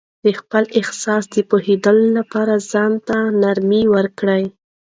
د خپل احساس د پوهېدو لپاره ځان ته نمرې ورکړئ.